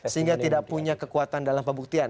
sehingga tidak punya kekuatan dalam pembuktian